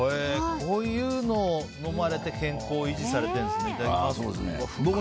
こういうのを飲まれて健康を維持されてるんですね。